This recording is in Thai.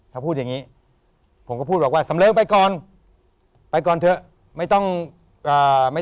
ถ้าพูดอย่างงี้ผมก็พูดบอกว่าสำเริงไปก่อนไปก่อนเถอะไม่ต้องเอ่อไม่